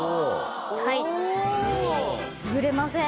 はい潰れません。